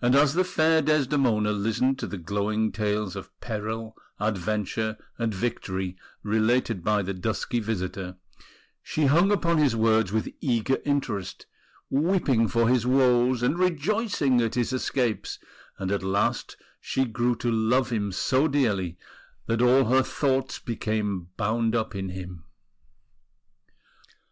And as the fair Desdemona listened to the glowing tales of peril, adventure, and victory related by the dusky visitor, she hung upon his words with eager interest, weeping for his woes and rejoicing at his escapes; and at last she grew to love him so dearly that all her thoughts became bound up in him.